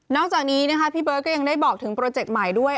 จากนี้นะคะพี่เบิร์ตก็ยังได้บอกถึงโปรเจคใหม่ด้วย